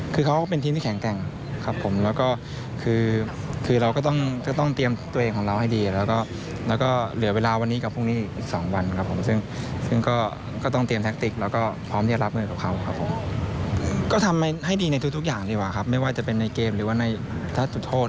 คือเขาก็เป็นทีมที่แข็งแกร่งครับผมแล้วก็คือคือเราก็ต้องก็ต้องเตรียมตัวเองของเราให้ดีแล้วก็เหลือเวลาวันนี้กับพรุ่งนี้อีกสองวันครับผมซึ่งซึ่งก็ต้องเตรียมแท็กติกแล้วก็พร้อมที่จะรับเงินกับเขาครับผมก็ทำให้ดีในทุกอย่างดีกว่าครับไม่ว่าจะเป็นในเกมหรือว่าในถ้าจุดโทษ